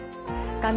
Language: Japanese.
画面